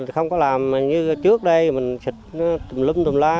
không có làm như trước đây mình xịt tùm lum tùm la